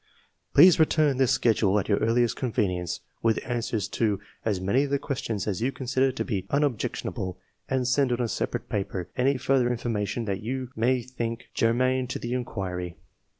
Please return this schedule at your earliest con venience, with answers to as many of the questions as you consider to be unobjectionable, and send on a sepa rate paper any further information that you may think germane to the inquiry.